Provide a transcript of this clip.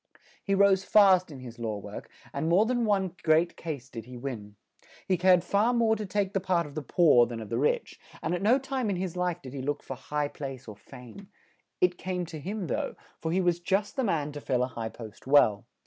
He rose fast in his law work; and more than one great case did he win; he cared far more to take the part of the poor than of the rich; and at no time in his life did he look for high place or fame; it came to him though, for he was just the man to fill a high post well.